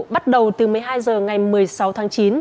bắt đầu từ một mươi hai h ngày một mươi sáu tháng chín